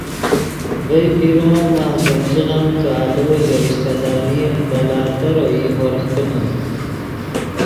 ڤئے پیرو ام ماخ گپ ژیغم کہ آلو ژے رشتہ دارین بلا تر اوئی ہورغ کینے